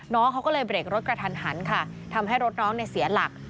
น้องเขาก็เลยเบรกรถกระทันหันค่ะทำให้รถน้องเนี่ยเสียหลัก